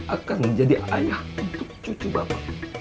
akan menjadi ayah untuk cucu bapak